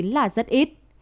là rất ít